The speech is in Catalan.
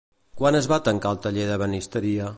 Quan es va tancar el taller d'ebenisteria?